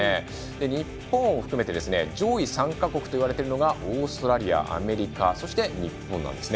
日本を含めて上位３か国といわれているのがオーストラリア、アメリカそして日本なんですね。